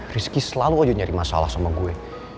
rizky selalu aja nyari masalah sama gue